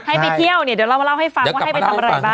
ให้ไปเที่ยวเนี่ยเดี๋ยวเรามาเล่าให้ฟังว่าให้ไปทำอะไรบ้าง